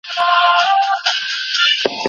داسي احاديث سته.